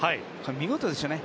見事ですよね。